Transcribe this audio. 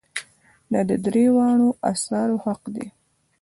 دا د دریو واړو آثارو حق دی.